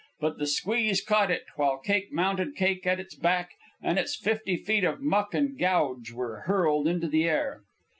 But the squeeze caught it, while cake mounted cake at its back, and its fifty feet of muck and gouge were hurled into the air.